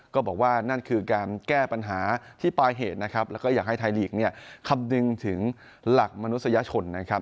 ก็บอกว่านั่นคือการแก้ปัญหาที่ปลายเหตุนะครับแล้วก็อยากให้ไทยลีกเนี่ยคำนึงถึงหลักมนุษยชนนะครับ